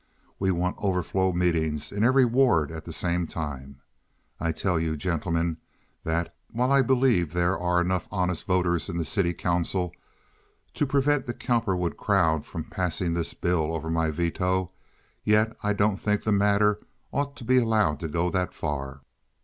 We want overflow meetings in every ward at the same time. I tell you, gentlemen, that, while I believe there are enough honest voters in the city council to prevent the Cowperwood crowd from passing this bill over my veto, yet I don't think the matter ought to be allowed to go that far.